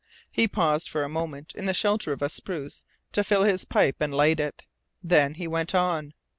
He paused for a moment in the shelter of a spruce to fill his pipe and light it. Then he went on.